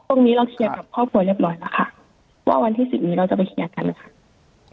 นี้เราเคลียร์กับครอบครัวเรียบร้อยแล้วค่ะว่าวันที่สิบนี้เราจะไปเคลียร์กันไหมคะ